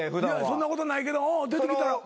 そんなことないけど出てきたら。